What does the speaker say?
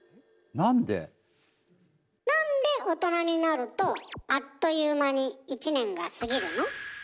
なんで大人になるとあっという間に１年が過ぎるの？